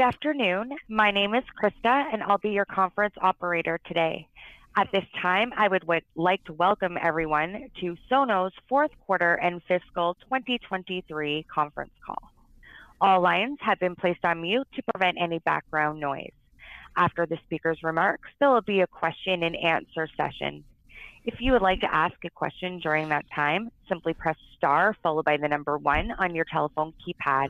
Good afternoon. My name is Krista, and I'll be your conference operator today. At this time, I would like to welcome everyone to Sonos' Q4 and fiscal 2023 conference call. All lines have been placed on mute to prevent any background noise. After the speaker's remarks, there will be a question and answer session. If you would like to ask a question during that time, simply press star followed by the number one on your telephone keypad,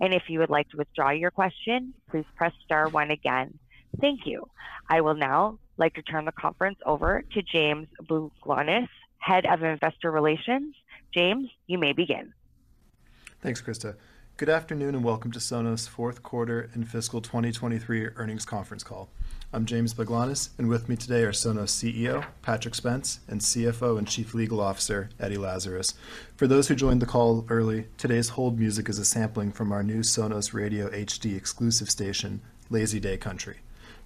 and if you would like to withdraw your question, please press star one again. Thank you. I will now like to turn the conference over to James Baglanis, Head of Investor Relations. James, you may begin. Thanks, Krista. Good afternoon, and welcome to Sonos' Q4 and fiscal 2023 earnings conference call. I'm James Baglanis, and with me today are Sonos' CEO, Patrick Spence, and CFO and Chief Legal Officer, Eddie Lazarus. For those who joined the call early, today's hold music is a sampling from our new Sonos Radio HD exclusive station, Lazy Day Country.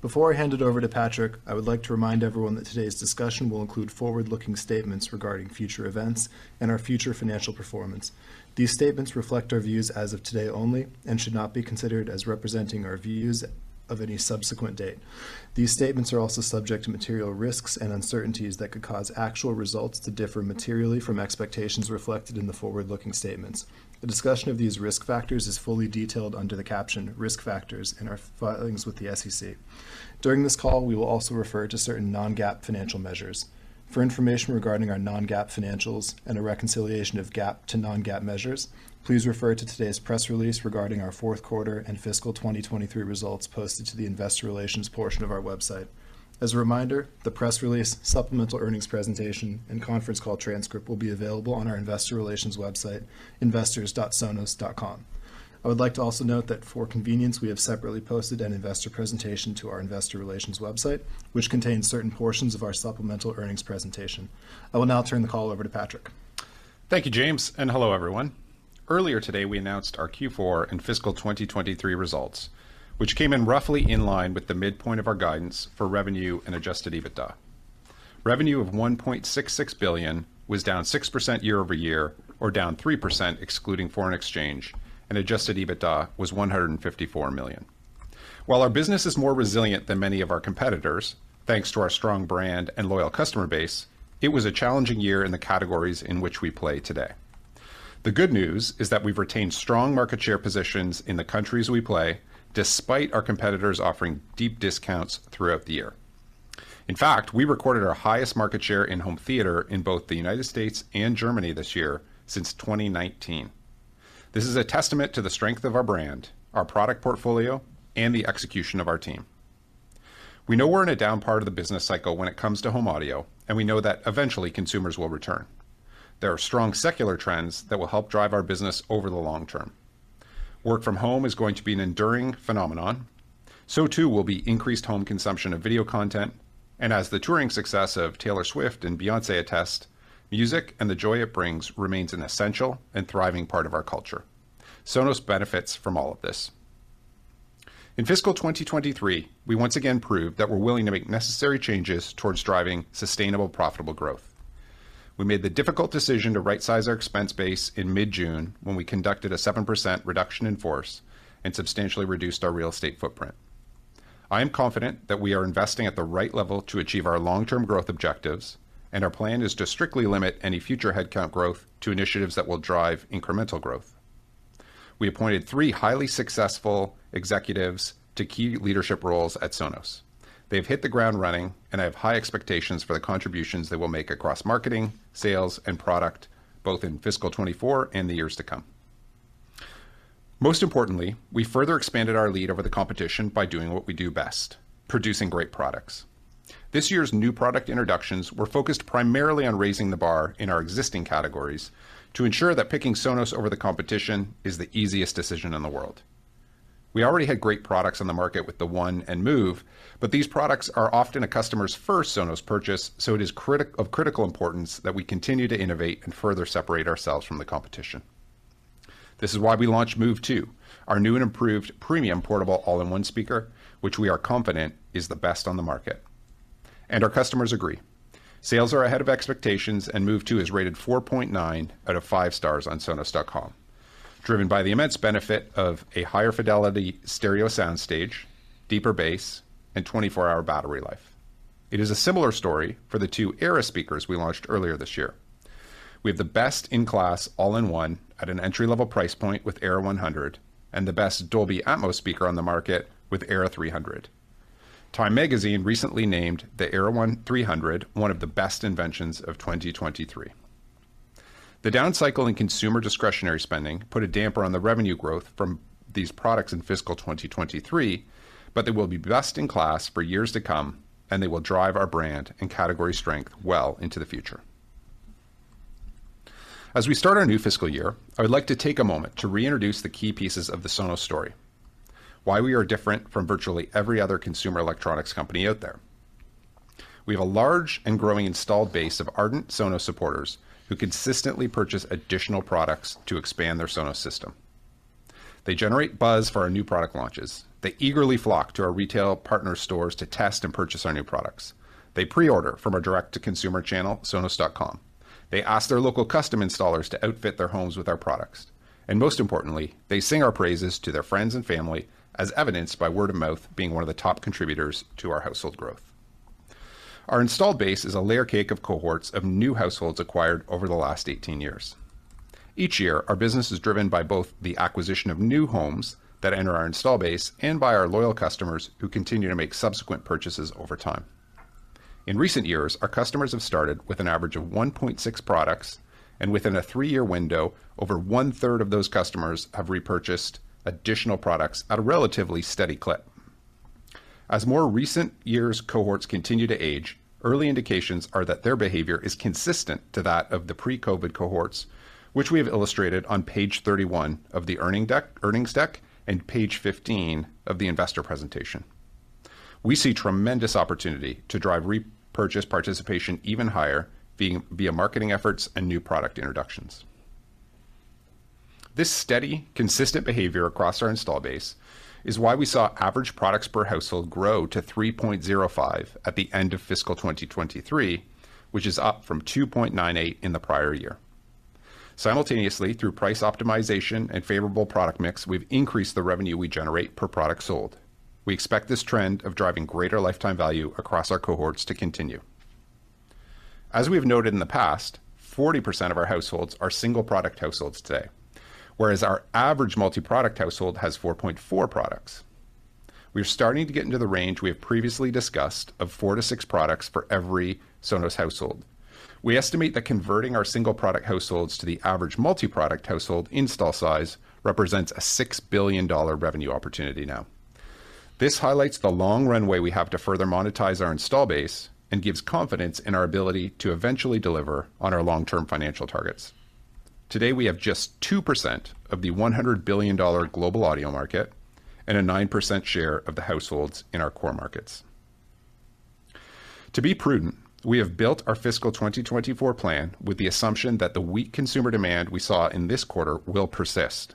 Before I hand it over to Patrick, I would like to remind everyone that today's discussion will include forward-looking statements regarding future events and our future financial performance. These statements reflect our views as of today only and should not be considered as representing our views of any subsequent date. These statements are also subject to material risks and uncertainties that could cause actual results to differ materially from expectations reflected in the forward-looking statements. A discussion of these risk factors is fully detailed under the caption "Risk Factors" in our filings with the SEC. During this call, we will also refer to certain Non-GAAP financial measures. For information regarding our Non-GAAP financials and a reconciliation of GAAP to Non-GAAP measures, please refer to today's press release regarding our Q4 and fiscal 2023 results posted to the investor relations portion of our website. As a reminder, the press release, supplemental earnings presentation, and conference call transcript will be available on our investor relations website, investors.sonos.com. I would like to also note that for convenience, we have separately posted an investor presentation to our investor relations website, which contains certain portions of our supplemental earnings presentation. I will now turn the call over to Patrick. Thank you, James, and hello, everyone. Earlier today, we announced our Q4 and fiscal 2023 results, which came in roughly in line with the midpoint of our guidance for revenue and adjusted EBITDA. Revenue of $1.66 billion was down 6% year-over-year or down 3% excluding foreign exchange, and adjusted EBITDA was $154 million. While our business is more resilient than many of our competitors, thanks to our strong brand and loyal customer base, it was a challenging year in the categories in which we play today. The good news is that we've retained strong market share positions in the countries we play, despite our competitors offering deep discounts throughout the year. In fact, we recorded our highest market share in home theater in both the United States and Germany this year since 2019. This is a testament to the strength of our brand, our product portfolio, and the execution of our team. We know we're in a down part of the business cycle when it comes to home audio, and we know that eventually consumers will return. There are strong secular trends that will help drive our business over the long term. Work from home is going to be an enduring phenomenon. So too will be increased home consumption of video content, and as the touring success of Taylor Swift and Beyoncé attest, music and the joy it brings remains an essential and thriving part of our culture. Sonos benefits from all of this. In fiscal 2023, we once again proved that we're willing to make necessary changes towards driving sustainable, profitable growth. We made the difficult decision to rightsize our expense base in mid-June when we conducted a 7% reduction in force and substantially reduced our real estate footprint. I am confident that we are investing at the right level to achieve our long-term growth objectives, and our plan is to strictly limit any future headcount growth to initiatives that will drive incremental growth. We appointed three highly successful executives to key leadership roles at Sonos. They've hit the ground running, and I have high expectations for the contributions they will make across marketing, sales, and product, both in fiscal 2024 and the years to come. Most importantly, we further expanded our lead over the competition by doing what we do best, producing great products. This year's new product introductions were focused primarily on raising the bar in our existing categories to ensure that picking Sonos over the competition is the easiest decision in the world. We already had great products on the market with the One and Move, but these products are often a customer's first Sonos purchase, so it is of critical importance that we continue to innovate and further separate ourselves from the competition. This is why we launched Move 2, our new and improved premium portable all-in-one speaker, which we are confident is the best on the market, and our customers agree. Sales are ahead of expectations, and Move 2 is rated 4.9 out of five stars on sonos.com, driven by the immense benefit of a higher fidelity stereo soundstage, deeper bass, and 24-hour battery life. It is a similar story for the two Era speakers we launched earlier this year. We have the best-in-class all-in-one at an entry-level price point with Era 100, and the best Dolby Atmos speaker on the market with Era 300. Time Magazine recently named the Era 300 one of the best inventions of 2023. The downcycle in consumer discretionary spending put a damper on the revenue growth from these products in fiscal 2023, but they will be best in class for years to come, and they will drive our brand and category strength well into the future. As we start our new fiscal year, I would like to take a moment to reintroduce the key pieces of the Sonos story, why we are different from virtually every other consumer electronics company out there. We have a large and growing installed base of ardent Sonos supporters who consistently purchase additional products to expand their Sonos system. They generate buzz for our new product launches. They eagerly flock to our retail partner stores to test and purchase our new products. They pre-order from our direct-to-consumer channel, sonos.com. They ask their local custom installers to outfit their homes with our products, and most importantly, they sing our praises to their friends and family, as evidenced by word of mouth being one of the top contributors to our household growth.... Our installed base is a layer cake of cohorts of new households acquired over the last 18 years. Each year, our business is driven by both the acquisition of new homes that enter our installed base and by our loyal customers who continue to make subsequent purchases over time. In recent years, our customers have started with an average of 1.6 products, and within a three-year window, over one-third of those customers have repurchased additional products at a relatively steady clip. As more recent years cohorts continue to age, early indications are that their behavior is consistent to that of the pre-COVID cohorts, which we have illustrated on page 31 of the earnings deck and page 15 of the investor presentation. We see tremendous opportunity to drive repurchase participation even higher, being via marketing efforts and new product introductions. This steady, consistent behavior across our install base is why we saw average products per household grow to 3.05 at the end of fiscal 2023, which is up from 2.98 in the prior year. Simultaneously, through price optimization and favorable product mix, we've increased the revenue we generate per product sold. We expect this trend of driving greater lifetime value across our cohorts to continue. As we've noted in the past, 40% of our households are single-product households today, whereas our average multi-product household has 4.4 products. We are starting to get into the range we have previously discussed of four to six products for every Sonos household. We estimate that converting our single-product households to the average multi-product household install size represents a $6 billion revenue opportunity now. This highlights the long runway we have to further monetize our install base and gives confidence in our ability to eventually deliver on our long-term financial targets. Today, we have just 2% of the $100 billion global audio market and a 9% share of the households in our core markets. To be prudent, we have built our fiscal 2024 plan with the assumption that the weak consumer demand we saw in this quarter will persist.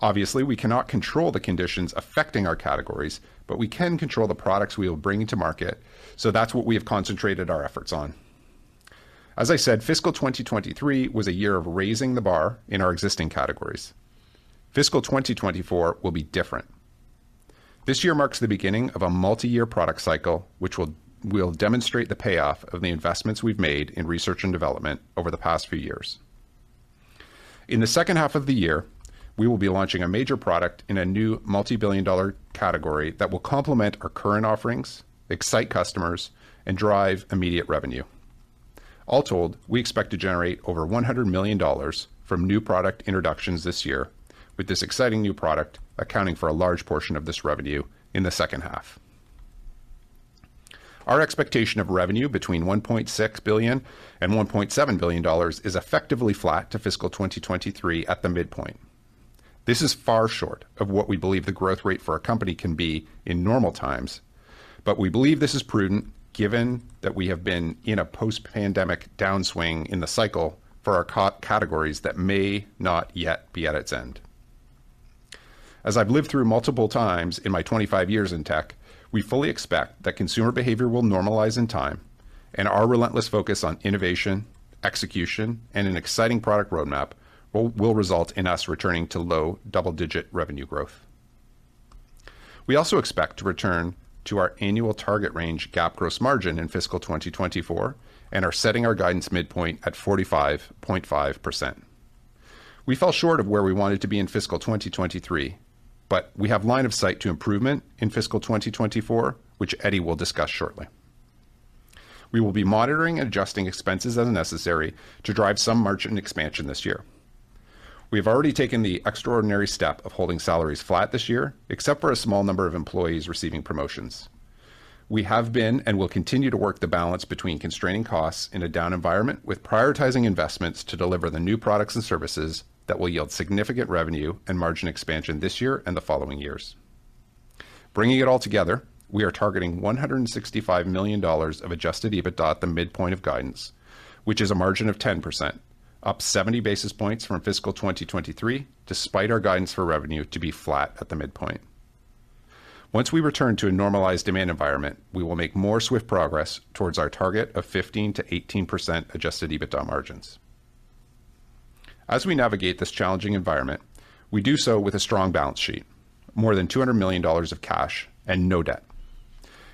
Obviously, we cannot control the conditions affecting our categories, but we can control the products we will bring into market, so that's what we have concentrated our efforts on. As I said, fiscal 2023 was a year of raising the bar in our existing categories. Fiscal 2024 will be different. This year marks the beginning of a multi-year product cycle, which will demonstrate the payoff of the investments we've made in research and development over the past few years. In the H2 of the year, we will be launching a major product in a new multi-billion-dollar category that will complement our current offerings, excite customers, and drive immediate revenue. All told, we expect to generate over $100 million from new product introductions this year, with this exciting new product accounting for a large portion of this revenue in the H2. Our expectation of revenue between $1.6 billion and $1.7 billion is effectively flat to fiscal 2023 at the midpoint. This is far short of what we believe the growth rate for our company can be in normal times, but we believe this is prudent given that we have been in a post-pandemic downswing in the cycle for our categories that may not yet be at its end. As I've lived through multiple times in my 25 years in tech, we fully expect that consumer behavior will normalize in time, and our relentless focus on innovation, execution, and an exciting product roadmap will, will result in us returning to low double-digit revenue growth. We also expect to return to our annual target range GAAP gross margin in fiscal 2024 and are setting our guidance midpoint at 45.5%. We fell short of where we wanted to be in fiscal 2023, but we have line of sight to improvement in fiscal 2024, which Eddie will discuss shortly. We will be monitoring and adjusting expenses as necessary to drive some margin expansion this year. We have already taken the extraordinary step of holding salaries flat this year, except for a small number of employees receiving promotions. We have been and will continue to work the balance between constraining costs in a down environment with prioritizing investments to deliver the new products and services that will yield significant revenue and margin expansion this year and the following years. Bringing it all together, we are targeting $165 million of Adjusted EBITDA at the midpoint of guidance, which is a margin of 10%, up 70 basis points from fiscal 2023, despite our guidance for revenue to be flat at the midpoint. Once we return to a normalized demand environment, we will make more swift progress towards our target of 15%-18% Adjusted EBITDA margins. As we navigate this challenging environment, we do so with a strong balance sheet, more than $200 million of cash, and no debt,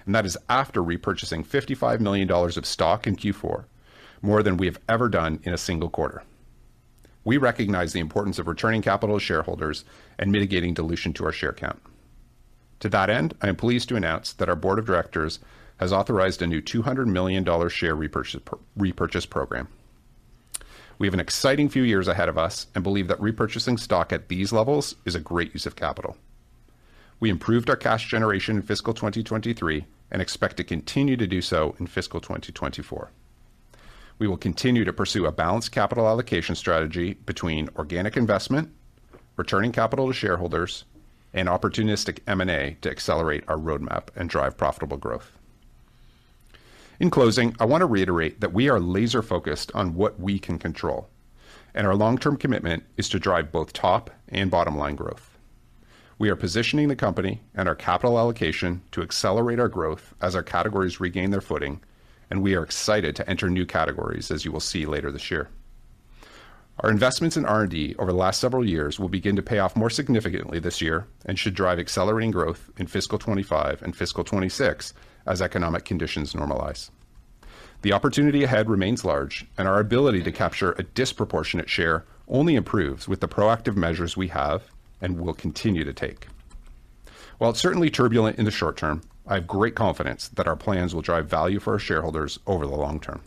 and that is after repurchasing $55 million of stock in Q4, more than we have ever done in a single quarter. We recognize the importance of returning capital to shareholders and mitigating dilution to our share count. To that end, I am pleased to announce that our board of directors has authorized a new $200 million share repurchase program. We have an exciting few years ahead of us and believe that repurchasing stock at these levels is a great use of capital. We improved our cash generation in fiscal 2023 and expect to continue to do so in fiscal 2024. We will continue to pursue a balanced capital allocation strategy between organic investment, returning capital to shareholders, and opportunistic M&A to accelerate our roadmap and drive profitable growth. In closing, I want to reiterate that we are laser-focused on what we can control, and our long-term commitment is to drive both top and bottom-line growth. We are positioning the company and our capital allocation to accelerate our growth as our categories regain their footing, and we are excited to enter new categories, as you will see later this year.... Our investments in R&D over the last several years will begin to pay off more significantly this year and should drive accelerating growth in fiscal 2025 and fiscal 2026 as economic conditions normalize. The opportunity ahead remains large, and our ability to capture a disproportionate share only improves with the proactive measures we have and will continue to take. While it's certainly turbulent in the short term, I have great confidence that our plans will drive value for our shareholders over the long term.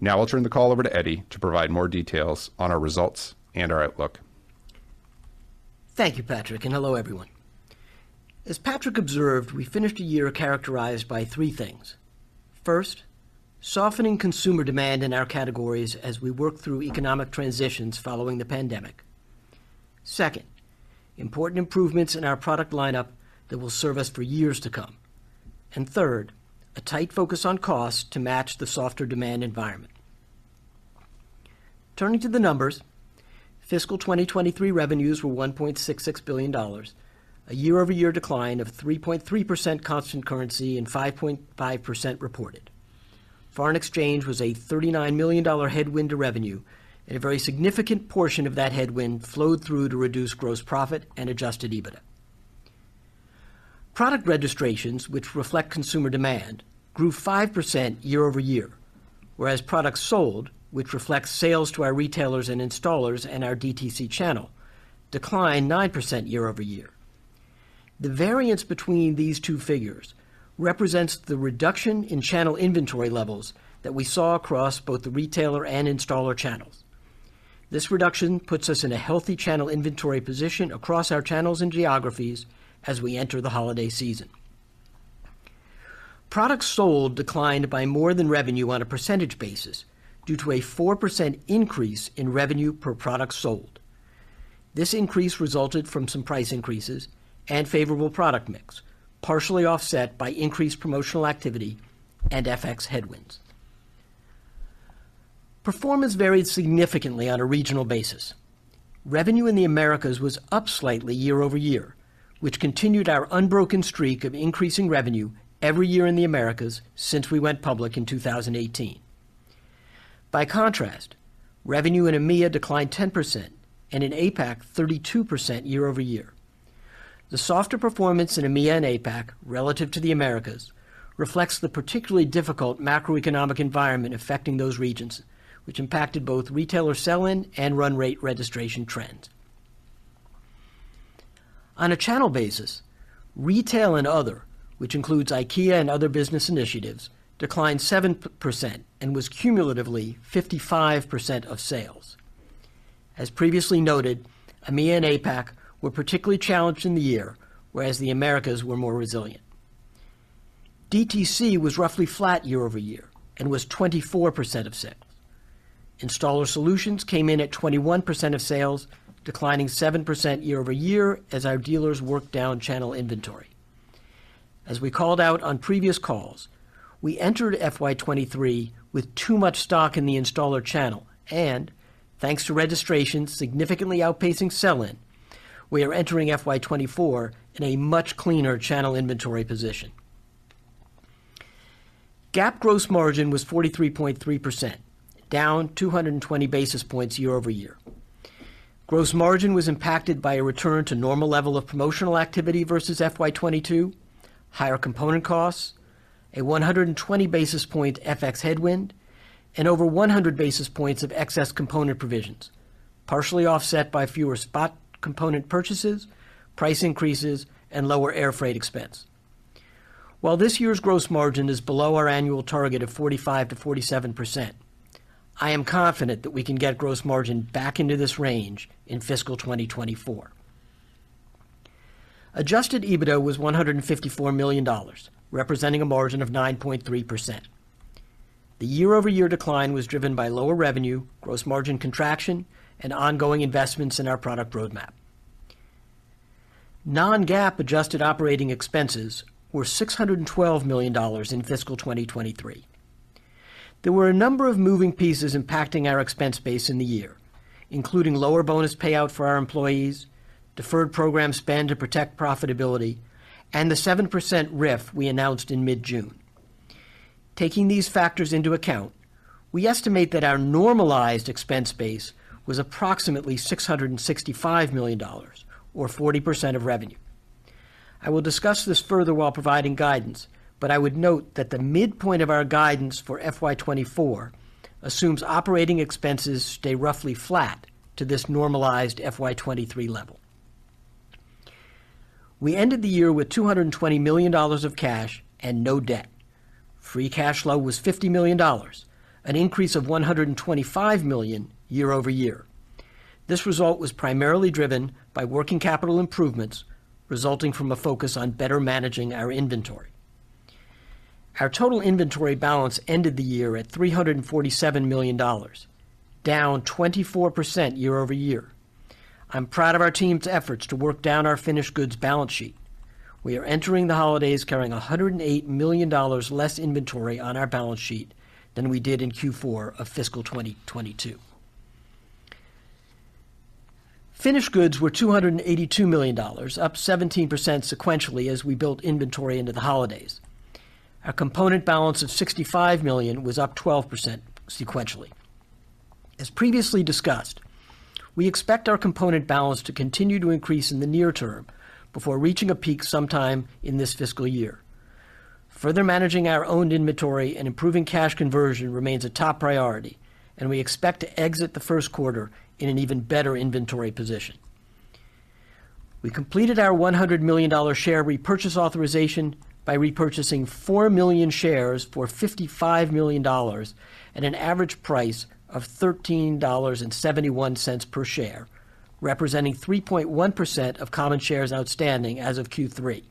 Now I'll turn the call over to Eddie to provide more details on our results and our outlook. Thank you, Patrick, and hello, everyone. As Patrick observed, we finished a year characterized by three things. First, softening consumer demand in our categories as we work through economic transitions following the pandemic. Second, important improvements in our product lineup that will serve us for years to come. And third, a tight focus on cost to match the softer demand environment. Turning to the numbers, fiscal 2023 revenues were $1.66 billion, a year-over-year decline of 3.3% constant currency and 5.5% reported. Foreign exchange was a $39 million headwind to revenue, and a very significant portion of that headwind flowed through to reduce gross profit and adjusted EBITDA. Product registrations, which reflect consumer demand, grew 5% year-over-year, whereas products sold, which reflects sales to our retailers and installers and our DTC channel, declined 9% year-over-year. The variance between these two figures represents the reduction in channel inventory levels that we saw across both the retailer and installer channels. This reduction puts us in a healthy channel inventory position across our channels and geographies as we enter the holiday season. Products sold declined by more than revenue on a percentage basis due to a 4% increase in revenue per product sold. This increase resulted from some price increases and favorable product mix, partially offset by increased promotional activity and FX headwinds. Performance varied significantly on a regional basis. Revenue in the Americas was up slightly year-over-year, which continued our unbroken streak of increasing revenue every year in the Americas since we went public in 2018. By contrast, revenue in EMEA declined 10% and in APAC, 32% year-over-year. The softer performance in EMEA and APAC, relative to the Americas, reflects the particularly difficult macroeconomic environment affecting those regions, which impacted both retailer sell-in and run rate registration trends. On a channel basis, retail and other, which includes IKEA and other business initiatives, declined 7% and was cumulatively 55% of sales. As previously noted, EMEA and APAC were particularly challenged in the year, whereas the Americas were more resilient. DTC was roughly flat year-over-year and was 24% of sales. Installer solutions came in at 21% of sales, declining 7% year-over-year as our dealers worked down channel inventory. As we called out on previous calls, we entered FY 2023 with too much stock in the installer channel, and thanks to registrations significantly outpacing sell-in, we are entering FY 2024 in a much cleaner channel inventory position. GAAP gross margin was 43.3%, down 220 basis points year-over-year. Gross margin was impacted by a return to normal level of promotional activity versus FY 2022, higher component costs, a 120 basis points FX headwind, and over 100 basis points of excess component provisions, partially offset by fewer spot component purchases, price increases, and lower airfreight expense. While this year's gross margin is below our annual target of 45%-47%, I am confident that we can get gross margin back into this range in fiscal 2024. Adjusted EBITDA was $154 million, representing a margin of 9.3%. The year-over-year decline was driven by lower revenue, gross margin contraction, and ongoing investments in our product roadmap. Non-GAAP adjusted operating expenses were $612 million in fiscal 2023. There were a number of moving pieces impacting our expense base in the year, including lower bonus payout for our employees, deferred program spend to protect profitability, and the 7% RIF we announced in mid-June. Taking these factors into account, we estimate that our normalized expense base was approximately $665 million or 40% of revenue. I will discuss this further while providing guidance, but I would note that the midpoint of our guidance for FY 2024 assumes operating expenses stay roughly flat to this normalized FY 2023 level. We ended the year with $220 million of cash and no debt. Free cash flow was $50 million, an increase of $125 million year-over-year. This result was primarily driven by working capital improvements, resulting from a focus on better managing our inventory. Our total inventory balance ended the year at $347 million, down 24% year-over-year. I'm proud of our team's efforts to work down our finished goods balance sheet. We are entering the holidays carrying $108 million less inventory on our balance sheet than we did in Q4 of fiscal 2022. Finished goods were $282 million, up 17% sequentially as we built inventory into the holidays. Our component balance of $65 million was up 12% sequentially. As previously discussed, we expect our component balance to continue to increase in the near term before reaching a peak sometime in this fiscal year. Further managing our own inventory and improving cash conversion remains a top priority, and we expect to exit the Q1 in an even better inventory position. We completed our $100 million share repurchase authorization by repurchasing 4 million shares for $55 million at an average price of $13.71 per share, representing 3.1% of common shares outstanding as of Q3.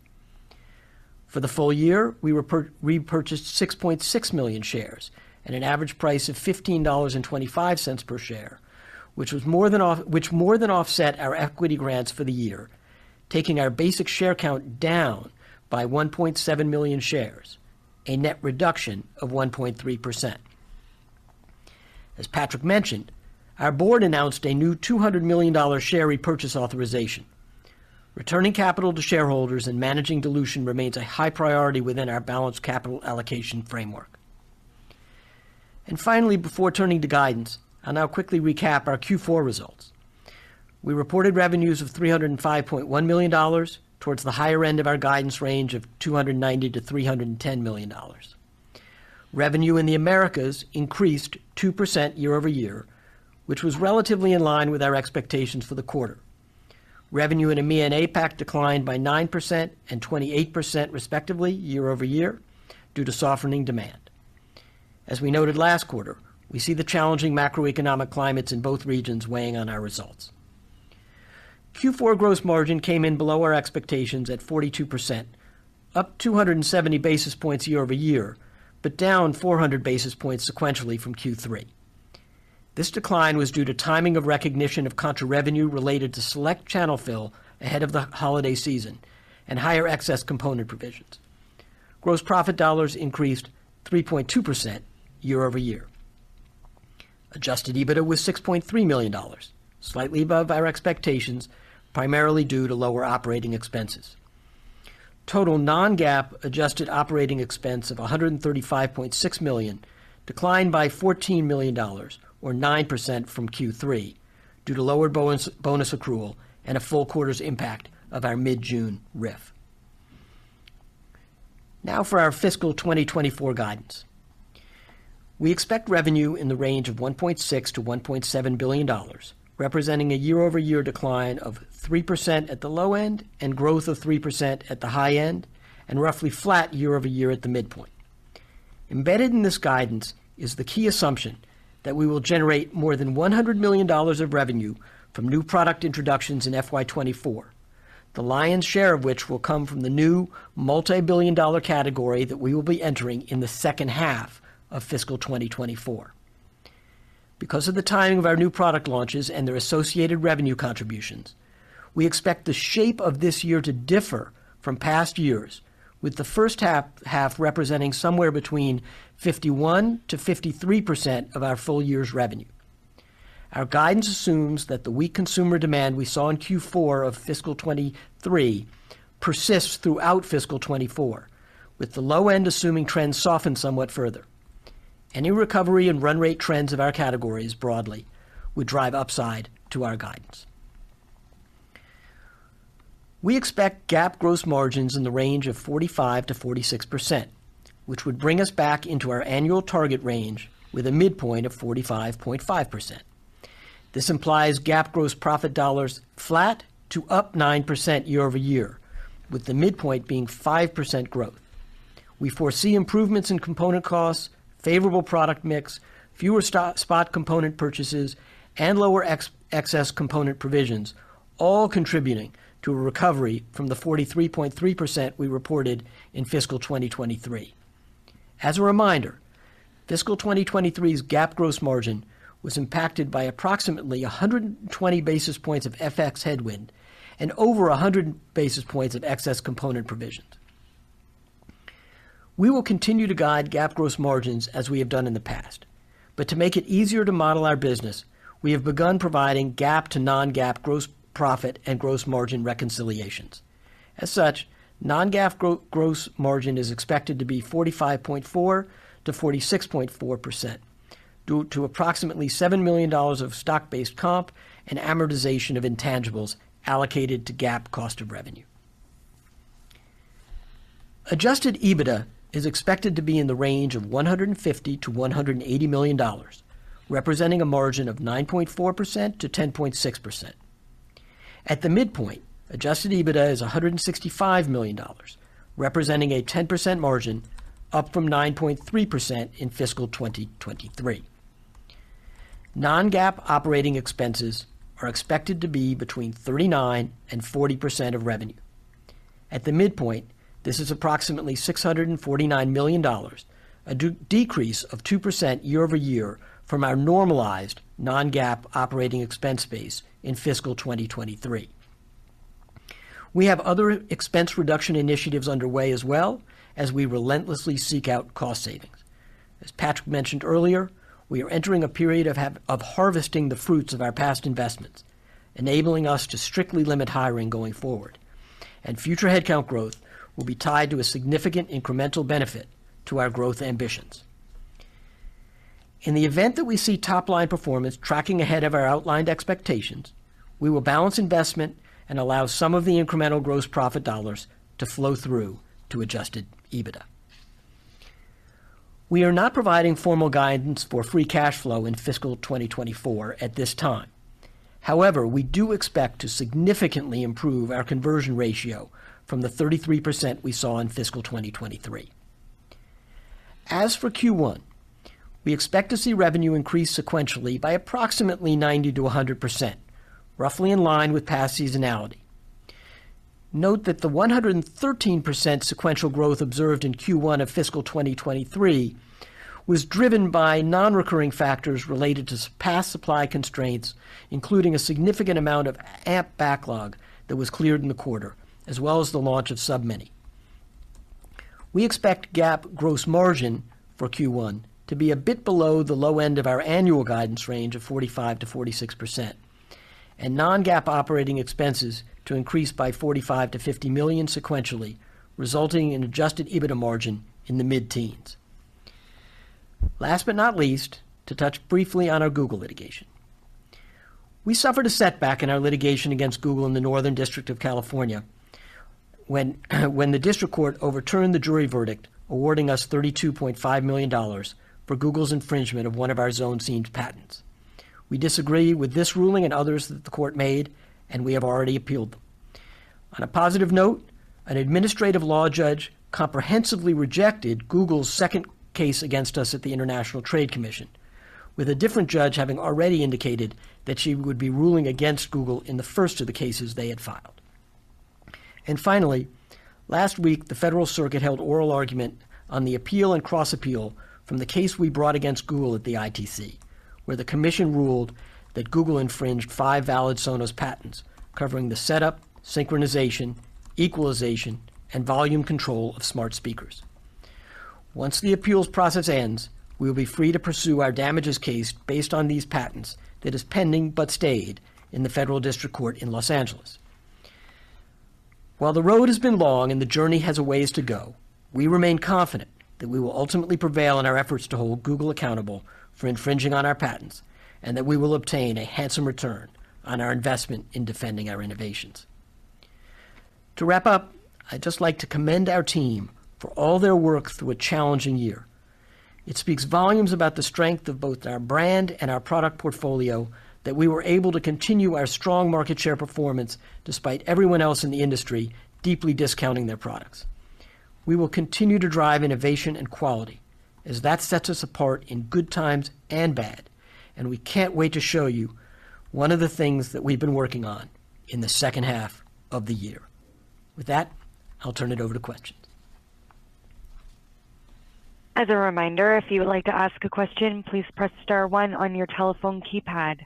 For the full year, we repurchased 6.6 million shares at an average price of $15.25 per share, which more than offset our equity grants for the year, taking our basic share count down by 1.7 million shares, a net reduction of 1.3%. As Patrick mentioned, our board announced a new $200 million share repurchase authorization. Returning capital to shareholders and managing dilution remains a high priority within our balanced capital allocation framework. And finally, before turning to guidance, I'll now quickly recap our Q4 results. We reported revenues of $305.1 million, towards the higher end of our guidance range of $290 million-$310 million. Revenue in the Americas increased 2% year-over-year, which was relatively in line with our expectations for the quarter. Revenue in EMEA and APAC declined by 9% and 28%, respectively, year-over-year due to softening demand. As we noted last quarter, we see the challenging macroeconomic climates in both regions weighing on our results. Q4 gross margin came in below our expectations at 42%, up 270 basis points year-over-year, but down 400 basis points sequentially from Q3. This decline was due to timing of recognition of contra revenue related to select channel fill ahead of the holiday season and higher excess component provisions. Gross profit dollars increased 3.2% year-over-year. Adjusted EBITDA was $6.3 million, slightly above our expectations, primarily due to lower operating expenses. Total Non-GAAp adjusted operating expense of $135.6 million declined by $14 million or 9% from Q3 due to lower bonus, bonus accrual and a full quarter's impact of our mid-June RIF. Now for our fiscal 2024 guidance. We expect revenue in the range of $1.6 billion-$1.7 billion, representing a year-over-year decline of 3% at the low end and growth of 3% at the high end, and roughly flat year-over-year at the midpoint. Embedded in this guidance is the key assumption that we will generate more than $100 million of revenue from new product introductions in FY 2024, the lion's share of which will come from the new multibillion-dollar category that we will be entering in the H2 of fiscal 2024. Because of the timing of our new product launches and their associated revenue contributions, we expect the shape of this year to differ from past years, with the H1, half representing somewhere between 51%-53% of our full year's revenue. Our guidance assumes that the weak consumer demand we saw in Q4 of fiscal 2023 persists throughout fiscal 2024, with the low end assuming trends soften somewhat further. Any recovery in run rate trends of our categories broadly would drive upside to our guidance. We expect GAAP gross margins in the range of 45%-46%, which would bring us back into our annual target range with a midpoint of 45.5%. This implies GAAP gross profit dollars flat to up 9% year-over-year, with the midpoint being 5% growth. We foresee improvements in component costs, favorable product mix, fewer spot component purchases, and lower excess component provisions, all contributing to a recovery from the 43.3% we reported in fiscal 2023. As a reminder, fiscal 2023's GAAP gross margin was impacted by approximately 120 basis points of FX headwind and over 100 basis points of excess component provisions. We will continue to guide GAAP gross margins as we have done in the past, but to make it easier to model our business, we have begun providing GAAP to Non-GAAp gross profit and gross margin reconciliations. As such, Non-GAAp gross margin is expected to be 45.4%-46.4%, due to approximately $7 million of stock-based comp and amortization of intangibles allocated to GAAP cost of revenue. Adjusted EBITDA is expected to be in the range of $150 million-$180 million, representing a margin of 9.4%-10.6%. At the midpoint, adjusted EBITDA is $165 million, representing a 10% margin, up from 9.3% in fiscal 2023. Non-GAAP operating expenses are expected to be between 39%-40% of revenue. At the midpoint, this is approximately $649 million, a decrease of 2% year-over-year from our normalized Non-GAAp operating expense base in fiscal 2023.... We have other expense reduction initiatives underway as well, as we relentlessly seek out cost savings. As Patrick mentioned earlier, we are entering a period of harvesting the fruits of our past investments, enabling us to strictly limit hiring going forward. Future headcount growth will be tied to a significant incremental benefit to our growth ambitions. In the event that we see top-line performance tracking ahead of our outlined expectations, we will balance investment and allow some of the incremental gross profit dollars to flow through to Adjusted EBITDA. We are not providing formal guidance for free cash flow in fiscal 2024 at this time. However, we do expect to significantly improve our conversion ratio from the 33% we saw in fiscal 2023. As for Q1, we expect to see revenue increase sequentially by approximately 90%-100%, roughly in line with past seasonality. Note that the 113% sequential growth observed in Q1 of fiscal 2023 was driven by non-recurring factors related to past supply constraints, including a significant amount of Amp backlog that was cleared in the quarter, as well as the launch of Sub Mini. We expect GAAP gross margin for Q1 to be a bit below the low end of our annual guidance range of 45%-46%, and Non-GAAp operating expenses to increase by $45 million-$50 million sequentially, resulting in adjusted EBITDA margin in the mid-teens. Last but not least, to touch briefly on our Google litigation. We suffered a setback in our litigation against Google in the Northern District of California when, when the district court overturned the jury verdict, awarding us $32.5 million for Google's infringement of one of our Zone Scenes patents. We disagree with this ruling and others that the court made, and we have already appealed. On a positive note, an administrative law judge comprehensively rejected Google's second case against us at the International Trade Commission, with a different judge having already indicated that she would be ruling against Google in the first of the cases they had filed. Finally, last week, the Federal Circuit held oral argument on the appeal and cross-appeal from the case we brought against Google at the ITC, where the commission ruled that Google infringed five valid Sonos patents, covering the setup, synchronization, equalization, and volume control of smart speakers. Once the appeals process ends, we will be free to pursue our damages case based on these patents that is pending but stayed in the Federal District Court in Los Angeles. While the road has been long and the journey has a ways to go, we remain confident that we will ultimately prevail in our efforts to hold Google accountable for infringing on our patents, and that we will obtain a handsome return on our investment in defending our innovations. To wrap up, I'd just like to commend our team for all their work through a challenging year. It speaks volumes about the strength of both our brand and our product portfolio, that we were able to continue our strong market share performance despite everyone else in the industry deeply discounting their products. We will continue to drive innovation and quality as that sets us apart in good times and bad, and we can't wait to show you one of the things that we've been working on in the H2 of the year. With that, I'll turn it over to questions. As a reminder, if you would like to ask a question, please press star one on your telephone keypad.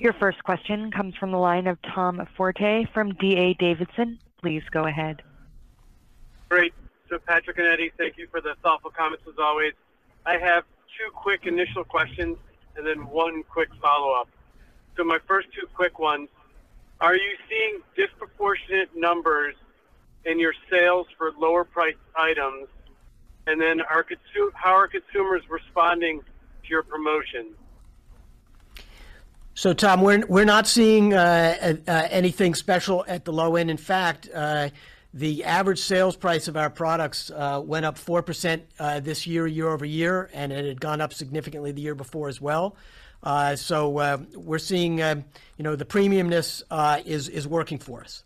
Your first question comes from the line of Tom Forte from D.A. Davidson. Please go ahead. Great. So, Patrick and Eddie, thank you for the thoughtful comments, as always. I have two quick initial questions and then one quick follow-up. So my first two quick ones: Are you seeing disproportionate numbers in your sales for lower-priced items? And then, how are consumers responding to your promotions? So, Tom, we're not seeing anything special at the low end. In fact, the average sales price of our products went up 4% this year-over-year, and it had gone up significantly the year before as well. So, we're seeing, you know, the premiumness is working for us.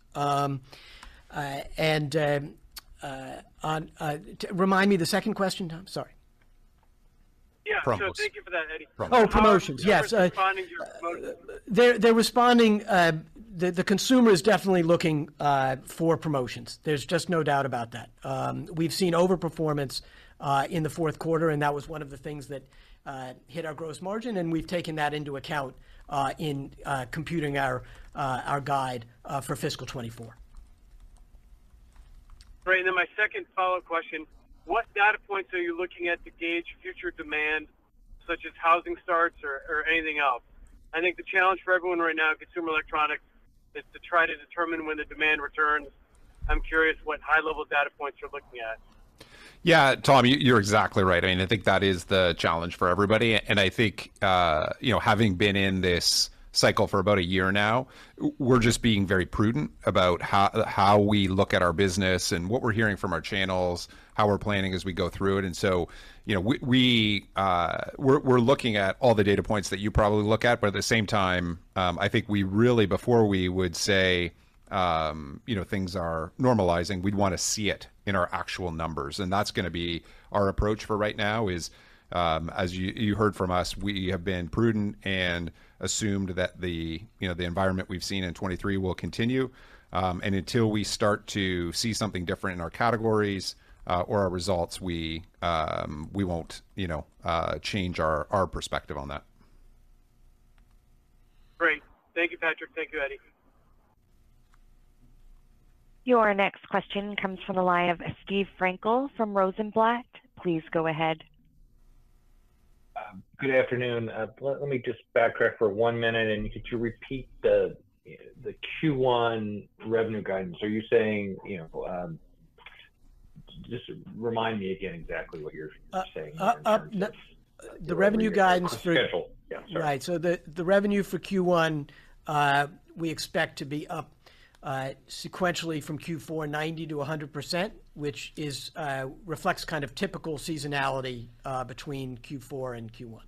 Remind me the second question, Tom. Sorry. Yeah. Promotions. Thank you for that, Eddie. Oh, promotions. Yes. How are consumers responding to your promotions? They're responding, the consumer is definitely looking for promotions. There's just no doubt about that. We've seen overperformance in the Q4, and that was one of the things that hit our gross margin, and we've taken that into account in computing our guide for fiscal 2024. Great. And then my second follow-up question: What data points are you looking at to gauge future demand, such as housing starts or, or anything else? I think the challenge for everyone right now in consumer electronics is to try to determine when the demand returns. I'm curious what high-level data points you're looking at. Yeah, Tom, you, you're exactly right, and I think that is the challenge for everybody. And I think, you know, having been in this cycle for about a year now, we're just being very prudent about how we look at our business and what we're hearing from our channels, how we're planning as we go through it. And so, you know, we're looking at all the data points that you probably look at, but at the same time, I think we really before we would say, you know, things are normalizing, we'd want to see it in our actual numbers. And that's gonna be our approach for right now is, as you heard from us, we have been prudent and assumed that the, you know, the environment we've seen in 2023 will continue. Until we start to see something different in our categories or our results, we won't, you know, change our perspective on that.... Great. Thank you, Patrick. Thank you, Eddie. Your next question comes from the line of Steve Frankel from Rosenblatt. Please go ahead. Good afternoon. Let me just backtrack for one minute, and could you repeat the Q1 revenue guidance? Are you saying, you know? Just remind me again exactly what you're saying- the revenue guidance for- Schedule. Yeah, sorry. Right. So the revenue for Q1 we expect to be up sequentially from Q4 90%-100%, which reflects kind of typical seasonality between Q4 and Q1.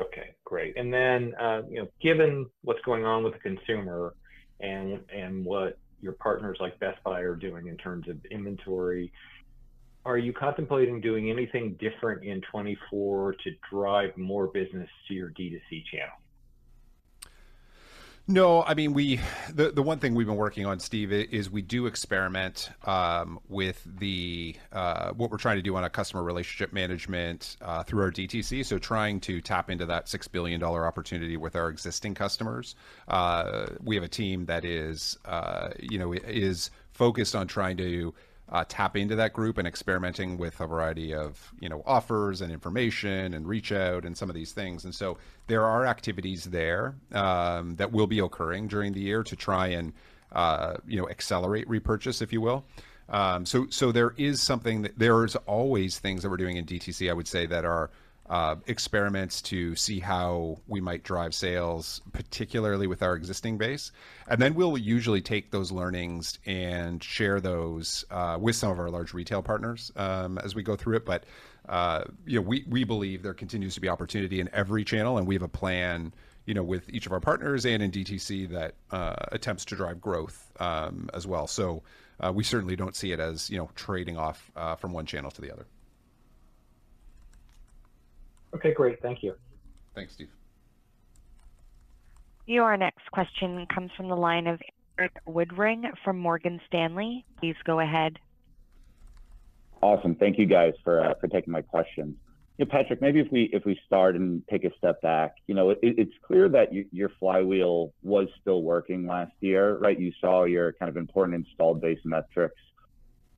Okay, great. And then, you know, given what's going on with the consumer and what your partners like Best Buy are doing in terms of inventory, are you contemplating doing anything different in 2024 to drive more business to your DTC channel? No, I mean, the one thing we've been working on, Steve, is we do experiment with what we're trying to do on a customer relationship management through our DTC. So trying to tap into that $6 billion opportunity with our existing customers. We have a team that is, you know, is focused on trying to tap into that group and experimenting with a variety of, you know, offers and information and reach out and some of these things. And so there are activities there that will be occurring during the year to try and, you know, accelerate repurchase, if you will. So, so there is something... There is always things that we're doing in DTC, I would say, that are experiments to see how we might drive sales, particularly with our existing base. And then we'll usually take those learnings and share those with some of our large retail partners as we go through it. But you know, we, we believe there continues to be opportunity in every channel, and we have a plan, you know, with each of our partners and in DTC that attempts to drive growth as well. So we certainly don't see it as, you know, trading off from one channel to the other. Okay, great. Thank you. Thanks, Steve. Your next question comes from the line of Eric Woodring from Morgan Stanley. Please go ahead. Awesome. Thank you guys for taking my questions. Yeah, Patrick, maybe if we, if we start and take a step back. You know, it's clear that your flywheel was still working last year, right? You saw your kind of important installed base metrics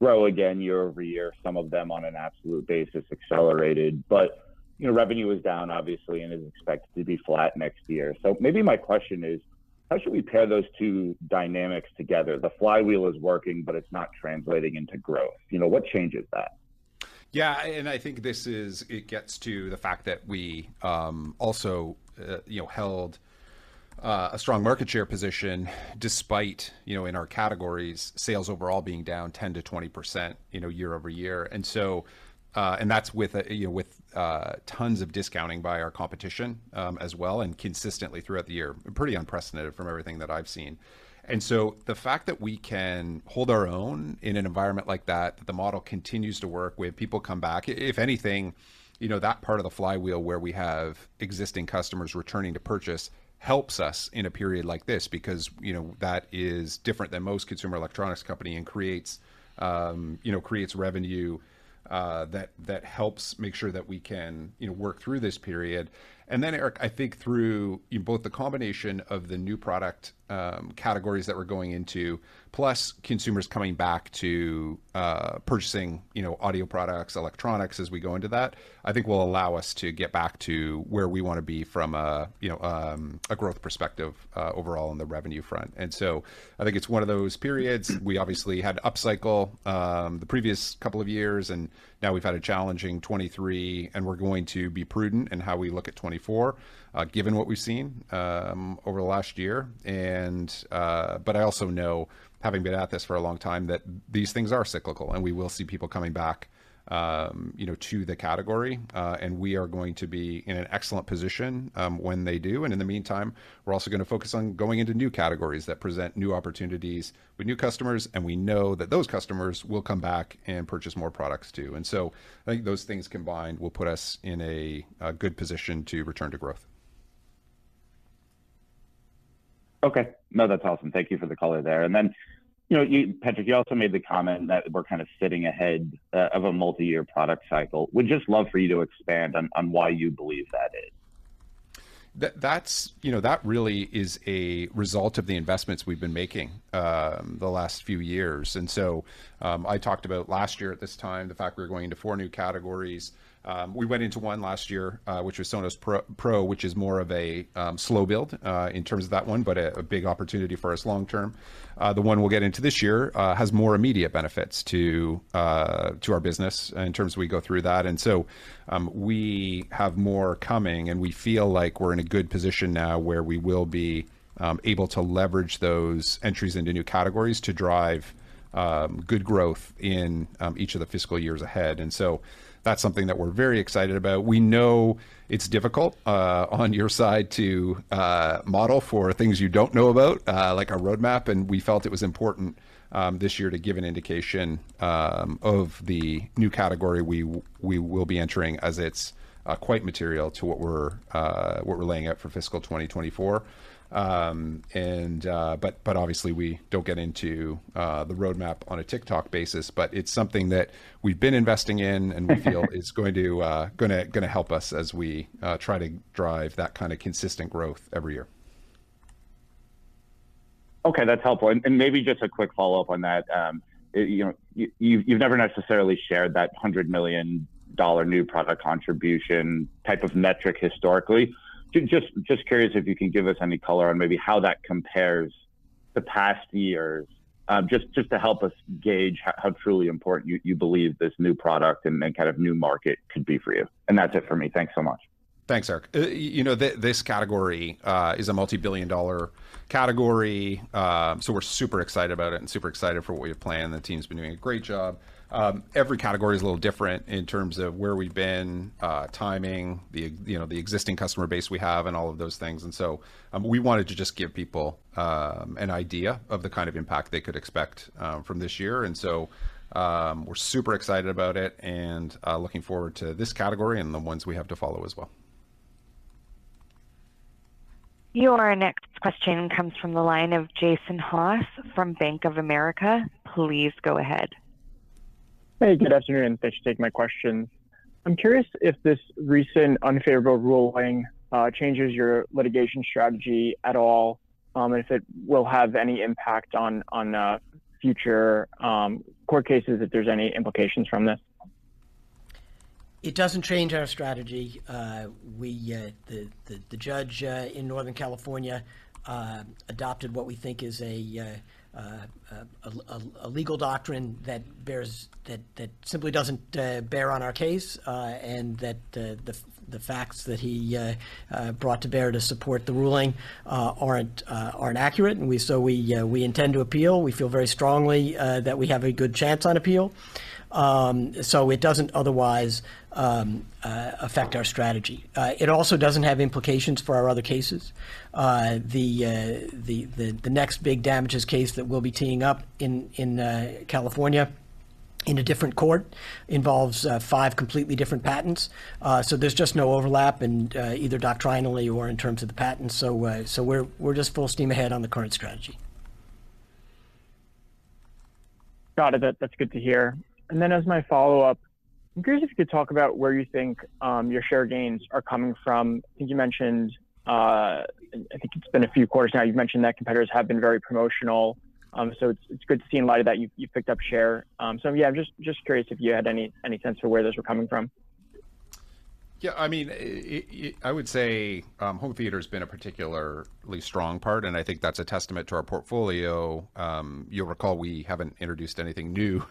grow again year-over-year, some of them on an absolute basis, accelerated. But, you know, revenue is down, obviously, and is expected to be flat next year. So maybe my question is: how should we pair those two dynamics together? The flywheel is working, but it's not translating into growth. You know, what changes that? Yeah, and I think it gets to the fact that we also, you know, held a strong market share position, despite, you know, in our categories, sales overall being down 10%-20%, you know, year-over-year. And so... And that's with, you know, with tons of discounting by our competition, as well, and consistently throughout the year. Pretty unprecedented from everything that I've seen. And so the fact that we can hold our own in an environment like that, the model continues to work, we have people come back, if anything, you know, that part of the flywheel, where we have existing customers returning to purchase, helps us in a period like this, because, you know, that is different than most consumer electronics company and creates, you know, creates revenue, that helps make sure that we can, you know, work through this period. And then, Eric, I think through both the combination of the new product categories that we're going into, plus consumers coming back to purchasing, you know, audio products, electronics, as we go into that, I think will allow us to get back to where we want to be from a, you know, a growth perspective, overall on the revenue front. And so I think it's one of those periods. We obviously had to upcycle the previous couple of years, and now we've had a challenging 2023, and we're going to be prudent in how we look at 2024, given what we've seen over the last year. But I also know, having been at this for a long time, that these things are cyclical, and we will see people coming back, you know, to the category, and we are going to be in an excellent position, when they do. And in the meantime, we're also gonna focus on going into new categories that present new opportunities with new customers, and we know that those customers will come back and purchase more products, too. And so I think those things combined will put us in a good position to return to growth. Okay. No, that's awesome. Thank you for the color there. And then, you know, you, Patrick, you also made the comment that we're kind of sitting ahead of a multi-year product cycle. Would just love for you to expand on why you believe that is. That, that's, you know, that really is a result of the investments we've been making, the last few years. So, I talked about last year at this time, the fact we were going into four new categories. We went into one last year, which was Sonos Pro, which is more of a slow build, in terms of that one, but a big opportunity for us long term. The one we'll get into this year has more immediate benefits to our business in terms of we go through that. So, we have more coming, and we feel like we're in a good position now where we will be able to leverage those entries into new categories to drive good growth in each of the fiscal years ahead. And so that's something that we're very excited about. We know it's difficult on your side to model for things you don't know about like our roadmap, and we felt it was important this year to give an indication of the new category we will be entering, as it's quite material to what we're laying out for fiscal 2024. But obviously, we don't get into the roadmap on a tick-tock basis, but it's something that we've been investing in and we feel is gonna help us as we try to drive that kind of consistent growth every year.... Okay, that's helpful. And maybe just a quick follow-up on that. You know, you've never necessarily shared that $100 million new product contribution type of metric historically. Just curious if you can give us any color on maybe how that compares to past years, just to help us gauge how truly important you believe this new product and kind of new market could be for you. And that's it for me. Thanks so much. Thanks, Eric. You know, this category is a multi-billion dollar category, so we're super excited about it and super excited for what we have planned. The team's been doing a great job. Every category is a little different in terms of where we've been, timing, you know, the existing customer base we have, and all of those things. And so, we wanted to just give people an idea of the kind of impact they could expect from this year. And so, we're super excited about it and looking forward to this category and the ones we have to follow as well. Your next question comes from the line of Jason Haas from Bank of America. Please go ahead. Hey, good afternoon. Thanks for taking my question. I'm curious if this recent unfavorable ruling changes your litigation strategy at all, if it will have any impact on future court cases, if there's any implications from this? It doesn't change our strategy. The judge in Northern California adopted what we think is a legal doctrine that bears... that simply doesn't bear on our case, and that the facts that he brought to bear to support the ruling aren't accurate. We intend to appeal. We feel very strongly that we have a good chance on appeal. It doesn't otherwise affect our strategy. It also doesn't have implications for our other cases. The next big damages case that we'll be teeing up in California, in a different court, involves five completely different patents. So there's just no overlap and, either doctrinally or in terms of the patents. So we're just full steam ahead on the current strategy. Got it. That, that's good to hear. Then as my follow-up, I'm curious if you could talk about where you think your share gains are coming from. I think you mentioned, I think it's been a few quarters now, you've mentioned that competitors have been very promotional. So it's good to see in light of that you've picked up share. So yeah, I'm just curious if you had any sense of where those were coming from. Yeah, I mean, I would say home theater's been a particularly strong part, and I think that's a testament to our portfolio. You'll recall we haven't introduced anything new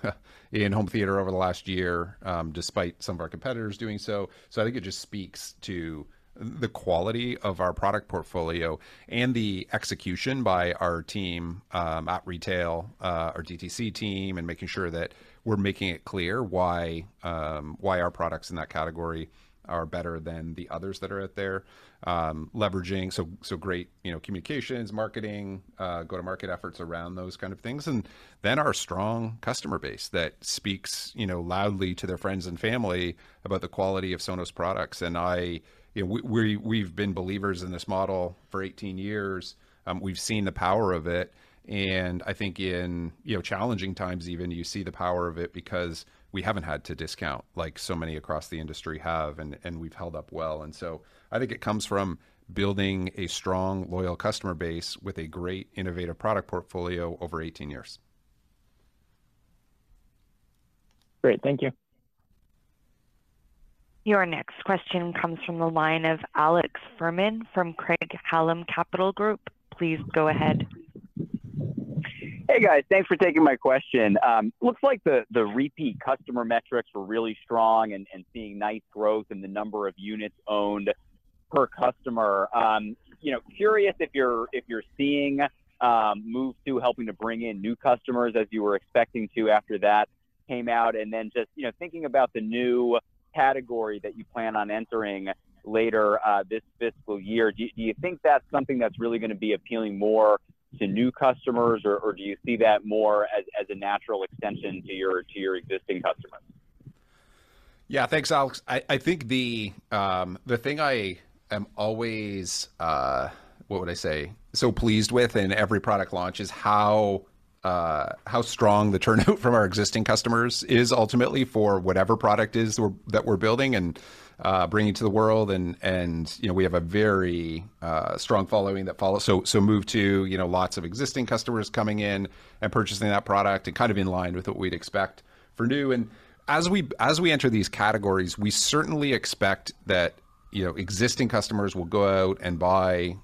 in home theater over the last year, despite some of our competitors doing so. So I think it just speaks to the quality of our product portfolio and the execution by our team at retail, our DTC team, and making sure that we're making it clear why, why our products in that category are better than the others that are out there. Leveraging so, so great, you know, communications, marketing, go-to-market efforts around those kind of things. And then our strong customer base that speaks, you know, loudly to their friends and family about the quality of Sonos products. I, you know, we've been believers in this model for 18 years. We've seen the power of it, and I think in, you know, challenging times even, you see the power of it, because we haven't had to discount like so many across the industry have, and we've held up well. And so I think it comes from building a strong, loyal customer base with a great, innovative product portfolio over 18 years. Great. Thank you. Your next question comes from the line of Alex Fuhrman Hey, guys. Thanks for taking my question. Looks like the repeat customer metrics were really strong and seeing nice growth in the number of units owned per customer. You know, curious if you're seeing Move 2 helping to bring in new customers as you were expecting to after that came out? And then just, you know, thinking about the new category that you plan on entering later this fiscal year, do you think that's something that's really gonna be appealing more to new customers, or do you see that more as a natural extension to your existing customers? Yeah. Thanks, Alex. I think the thing I am always so pleased with in every product launch is how strong the turnout from our existing customers is ultimately for whatever product that we're building and bringing to the world. And you know, we have a very strong following that follows. So Move 2, you know, lots of existing customers coming in and purchasing that product and kind of in line with what we'd expect for new. And as we enter these categories, we certainly expect that, you know, existing customers will go out and buy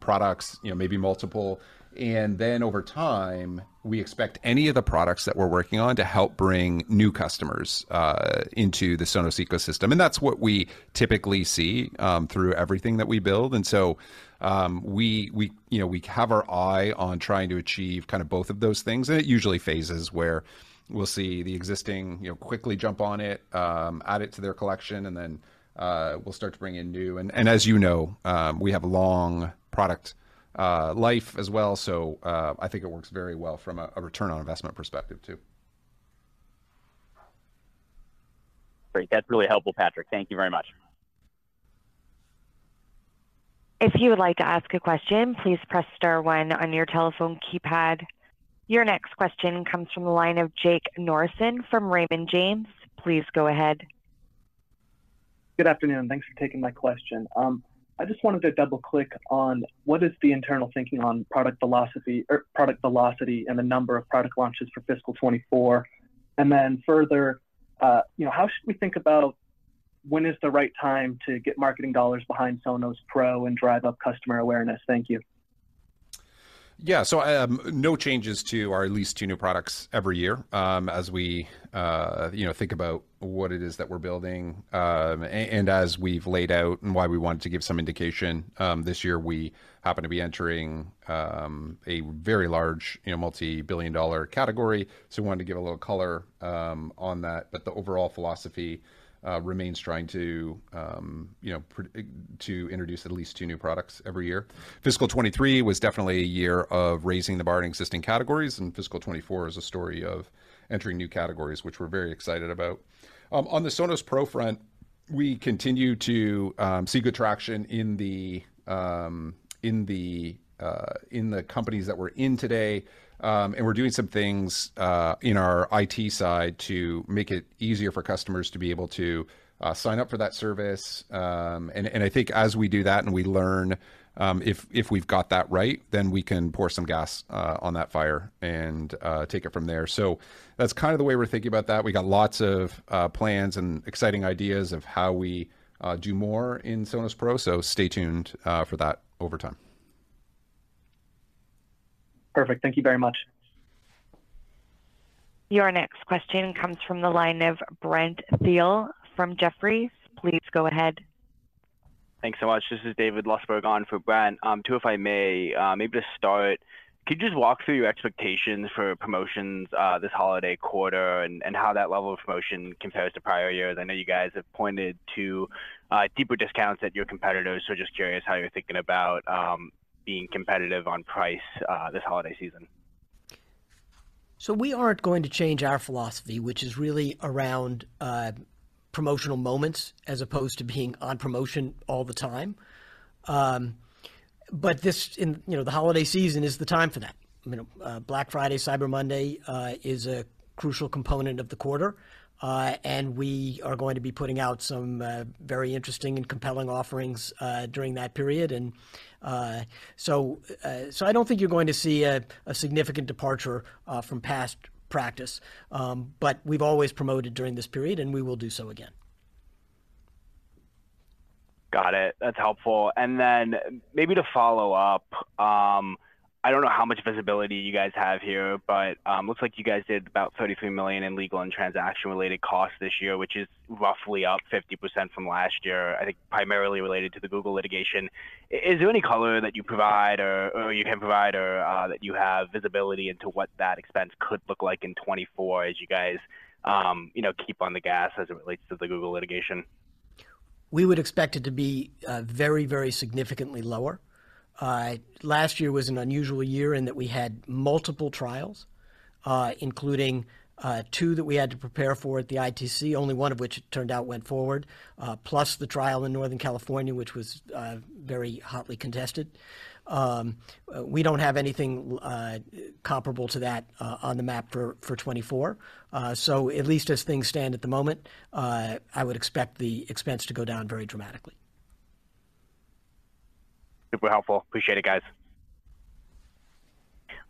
products, you know, maybe multiple. And then over time, we expect any of the products that we're working on to help bring new customers into the Sonos ecosystem. That's what we typically see through everything that we build. So, we, you know, have our eye on trying to achieve kind of both of those things, and it usually phases where we'll see the existing, you know, quickly jump on it, add it to their collection, and then we'll start to bring in new. As you know, we have a long product life as well, so I think it works very well from a return on investment perspective, too. Great. That's really helpful, Patrick. Thank you very much. If you would like to ask a question, please press star one on your telephone keypad. Your next question comes from the line of Jake Norsen from Raymond James. Please go ahead.... Good afternoon, thanks for taking my question. I just wanted to double-click on what is the internal thinking on product philosophy or product velocity and the number of product launches for fiscal 2024? And then further, you know, how should we think about when is the right time to get marketing dollars behind Sonos Pro and drive up customer awareness? Thank you. Yeah. So, no changes to our at least two new products every year, as we, you know, think about what it is that we're building, and as we've laid out and why we wanted to give some indication, this year, we happen to be entering a very large, you know, multi-billion-dollar category, so we wanted to give a little color on that. But the overall philosophy remains trying to, you know, to introduce at least two new products every year. Fiscal 2023 was definitely a year of raising the bar in existing categories, and Fiscal 2024 is a story of entering new categories, which we're very excited about. On the Sonos Pro front, we continue to see good traction in the companies that we're in today. And we're doing some things in our IT side to make it easier for customers to be able to sign up for that service. And I think as we do that, and we learn, if we've got that right, then we can pour some gas on that fire and take it from there. So that's kind of the way we're thinking about that. We've got lots of plans and exciting ideas of how we do more in Sonos Pro, so stay tuned for that over time. Perfect. Thank you very much. Your next question comes from the line of Brent Thill from Jefferies. Please go ahead. Thanks so much. This is David Lustberg on for Brent. Two, if I may. Maybe to start, could you just walk through your expectations for promotions, this holiday quarter, and, and how that level of promotion compares to prior years? I know you guys have pointed to, deeper discounts at your competitors, so just curious how you're thinking about, being competitive on price, this holiday season. So we aren't going to change our philosophy, which is really around promotional moments as opposed to being on promotion all the time. But you know, the holiday season is the time for that. You know, Black Friday, Cyber Monday is a crucial component of the quarter, and we are going to be putting out some very interesting and compelling offerings during that period. And so I don't think you're going to see a significant departure from past practice. But we've always promoted during this period, and we will do so again. Got it. That's helpful. And then maybe to follow up, I don't know how much visibility you guys have here, but, looks like you guys did about $33 million in legal and transaction-related costs this year, which is roughly up 50% from last year, I think primarily related to the Google litigation. Is there any color that you provide or, or you can provide, or, that you have visibility into what that expense could look like in 2024 as you guys, you know, keep on the gas as it relates to the Google litigation? We would expect it to be very, very significantly lower. Last year was an unusual year in that we had multiple trials, including two that we had to prepare for at the ITC, only one of which it turned out went forward, plus the trial in Northern California, which was very hotly contested. We don't have anything comparable to that on the map for 2024. So at least as things stand at the moment, I would expect the expense to go down very dramatically. Super helpful. Appreciate it, guys.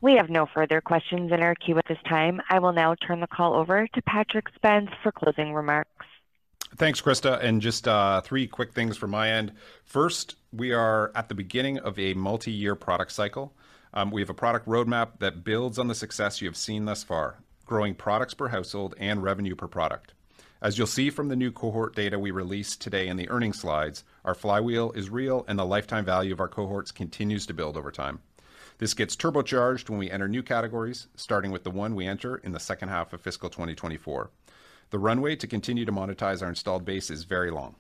We have no further questions in our queue at this time. I will now turn the call over to Patrick Spence for closing remarks. Thanks, Krista, and just, three quick things from my end. First, we are at the beginning of a multi-year product cycle. We have a product roadmap that builds on the success you have seen thus far, growing products per household and revenue per product. As you'll see from the new cohort data we released today in the earnings slides, our flywheel is real, and the lifetime value of our cohorts continues to build over time. This gets turbocharged when we enter new categories, starting with the one we enter in the H2 of fiscal 2024. The runway to continue to monetize our installed base is very long.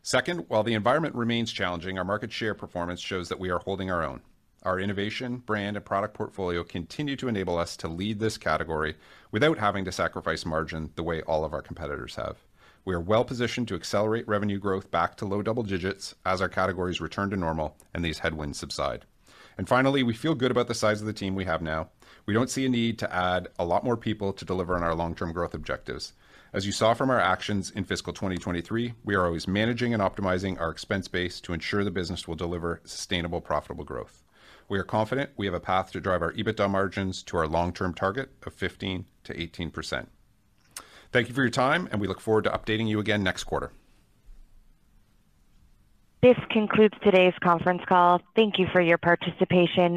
Second, while the environment remains challenging, our market share performance shows that we are holding our own. Our innovation, brand, and product portfolio continue to enable us to lead this category without having to sacrifice margin the way all of our competitors have. We are well positioned to accelerate revenue growth back to low double digits as our categories return to normal and these headwinds subside. Finally, we feel good about the size of the team we have now. We don't see a need to add a lot more people to deliver on our long-term growth objectives. As you saw from our actions in fiscal 2023, we are always managing and optimizing our expense base to ensure the business will deliver sustainable, profitable growth. We are confident we have a path to drive our EBITDA margins to our long-term target of 15%-18%. Thank you for your time, and we look forward to updating you again next quarter. This concludes today's conference call. Thank you for your participation.